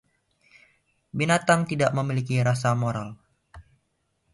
Binatang tidak memiliki rasa moral.